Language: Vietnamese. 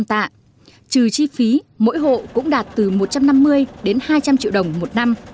trừ chi phí mỗi hộ cũng đạt từ một trăm năm mươi đến hai trăm linh triệu đồng một năm